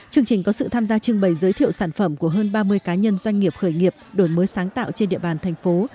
chương trình có sự tham gia trưng bày giới thiệu sản phẩm của hơn ba mươi cá nhân doanh nghiệp khởi nghiệp đổi mới sáng tạo trên địa bàn thành phố